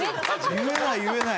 言えない言えない。